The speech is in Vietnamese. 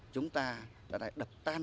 chúng ta đã đập tan